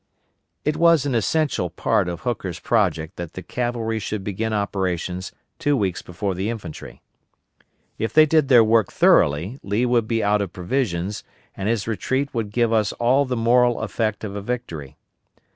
It was an essential part of Hooker's project that the cavalry should begin operations two weeks before the infantry. If they did their work thoroughly, Lee would be out of provisions, and his retreat would give us all the moral effect of a victory.